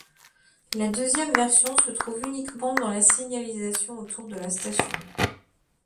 La deuxième version se trouve uniquement dans la signalisation autour de la station.